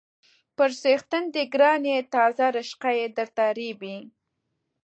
_پر څښتن دې ګران يې، تازه رشقه درته رېبي.